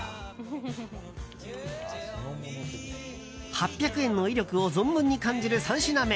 ８００円の威力を存分に感じる３品目。